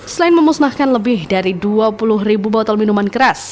selain memusnahkan lebih dari dua puluh ribu botol minuman keras